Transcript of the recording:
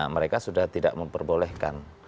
mereka sudah tidak memperbolehkan